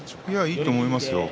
いいと思いますよ。